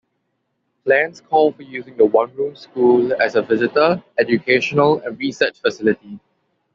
Plans call for using the one-room school as a visitor, educational, and research facility.